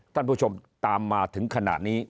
ท่านผู้ชมตามมาถึงขณะนี้